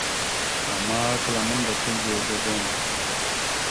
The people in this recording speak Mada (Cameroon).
Ama kala aməndasl egew ɗiɗem.